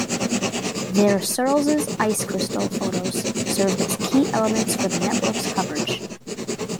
There Searls' ice crystal photos served as key elements for the network's coverage.